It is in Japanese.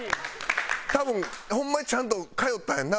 多分ホンマにちゃんと通ったやんな？